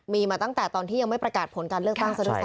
มีมาตั้งแต่ตอนที่ยังไม่ประกาศผลการเลือกตั้งเศรษฐศาสตร์